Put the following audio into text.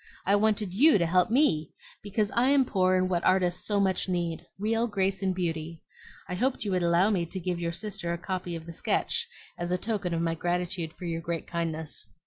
I wanted YOU to help ME, because I am poor in what artists so much need, real grace and beauty. I hoped you would allow me to give your sister a copy of the sketch as a token of my gratitude for your great kindness."